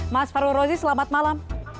mas farul rozi selamat malam